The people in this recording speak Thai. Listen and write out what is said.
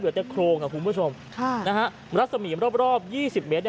หรือแต่โครงครับคุณผู้ชมรัศมีรอบ๒๐เมตร